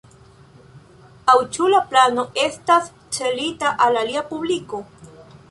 Aŭ ĉu la plano estas celita al alia publiko?